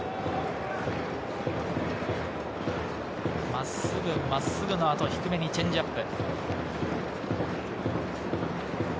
真っすぐ、真っすぐの後、低めにチェンジアップ。